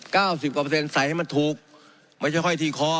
สิบกว่าเปอร์เซ็นใส่ให้มันถูกไม่ใช่ค่อยทีคอ